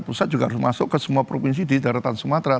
pusat juga harus masuk ke semua provinsi di daratan sumatera